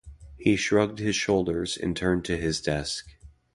He shrugged his shoulders and turned to his desk.